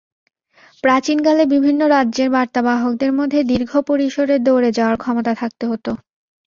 প্রাচীনকালে বিভিন্ন রাজ্যের বার্তাবাহকদের মধ্যে দীর্ঘ পরিসরে দৌড়ে যাওয়ার ক্ষমতা থাকতে হতো।